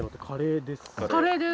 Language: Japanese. カレーです。